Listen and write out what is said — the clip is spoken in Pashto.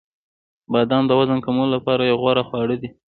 • بادام د وزن کمولو لپاره یو غوره خواړه دي.